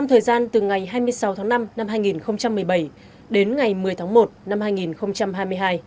trong thời gian từ ngày hai mươi sáu tháng năm năm hai nghìn một mươi bảy đến ngày một mươi tháng một năm hai nghìn hai mươi hai